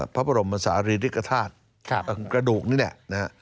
พระบรมศาลีริกธาตุกระดูกนี่แหละ